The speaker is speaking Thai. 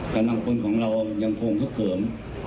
กำลังคนของเรายังคงคุกเขื่อม